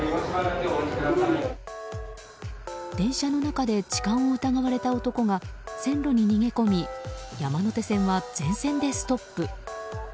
電車の中で痴漢を疑われた男が線路に逃げ込み山手線は全線でストップ。